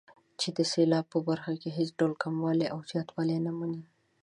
چې د سېلاب په برخه کې هېڅ ډول کموالی او زیاتوالی نه مني.